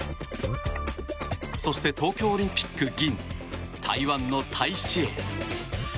そして、東京オリンピック銀台湾のタイ・シエイ。